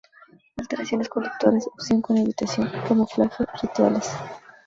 Alteraciones conductuales: Obsesión con evitación, camuflaje, rituales.